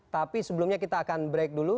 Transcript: tapi sebelumnya kita akan break dulu